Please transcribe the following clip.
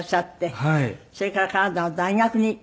それからカナダの大学に進学。